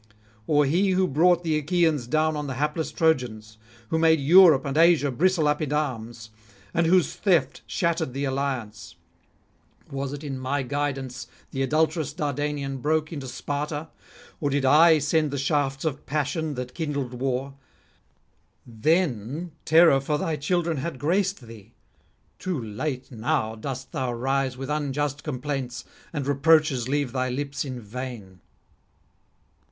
or he who brought the Achaeans down on the hapless Trojans? who made Europe and Asia bristle up in arms, and whose theft shattered the alliance? Was it in my guidance the [92 125]adulterous Dardanian broke into Sparta? or did I send the shafts of passion that kindled war? Then terror for thy children had graced thee; too late now dost thou rise with unjust complaints, and reproaches leave thy lips in vain.'